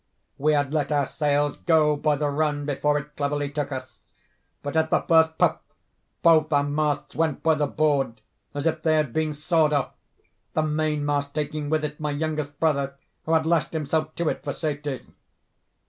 We had let our sails go by the run before it cleverly took us; but, at the first puff, both our masts went by the board as if they had been sawed off—the mainmast taking with it my youngest brother, who had lashed himself to it for safety.